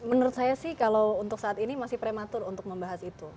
menurut saya sih kalau untuk saat ini masih prematur untuk membahas itu